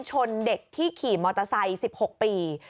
ชนเด็กที่ขี่มอเตอร์ไซค์๑๖ปี